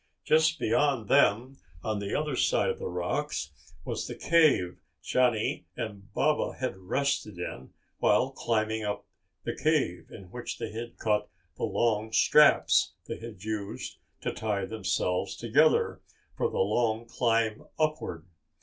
Just beyond them on the other side of the rocks was the cave Johnny and Baba had rested in while climbing up, the cave in which they had cut the long straps they had used to tie themselves together for the long climb upward.